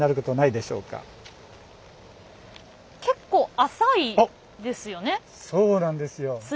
あっそうなんですよ。